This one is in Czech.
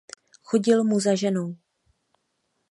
Chodil mu za ženou.